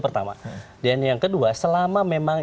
pertama dan yang kedua selama memang